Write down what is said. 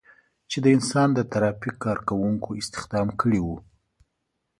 چې د انسان د ترافیک کار کوونکو استخدام کړي وو.